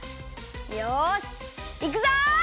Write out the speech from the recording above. よしいくぞ！